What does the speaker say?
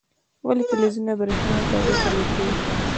ولې فلزونه برېښنا او تودوخه لیږدوي؟